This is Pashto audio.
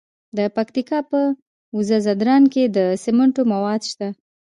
د پکتیا په وزه ځدراڼ کې د سمنټو مواد شته.